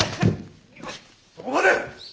そこまで！